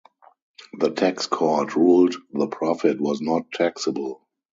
The Tax Court ruled the profit was not taxable.